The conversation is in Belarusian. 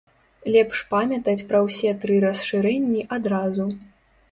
Лепш памятаць пра ўсе тры расшырэнні адразу.